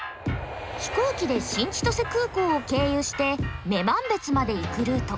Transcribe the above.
飛行機で新千歳空港を経由して女満別まで行くルート。